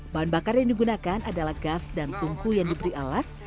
bahan bakar yang digunakan adalah gas dan tungku yang diberi alas